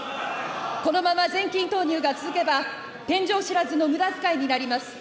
このまま税金投入が続けば、天井知らずのむだづかいになります。